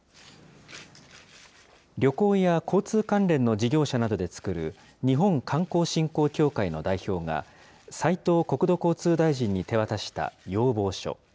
旅行や交通関連の事業者などで作る日本観光振興協会の代表が、斉藤国土交通大臣に手渡した要望書。